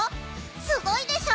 すごいでしょ！